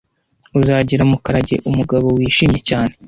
Uzagira Mukarage umugabo wishimye cyane.